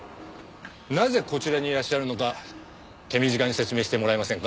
なぜこちらにいらっしゃるのか手短に説明してもらえませんか？